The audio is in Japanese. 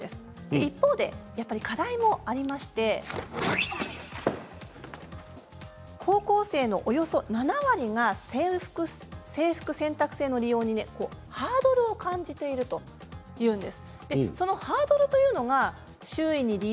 一方で課題もありまして高校生のおよそ７割が制服選択制の利用にハードルを感じているというんです。